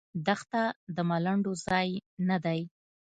دښته د ملنډو ځای نه دی.